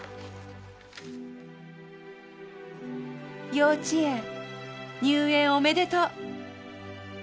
「幼稚園入園おめでとう」。